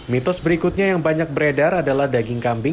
mitos berikutnya yang banyak beredar adalah daging kambing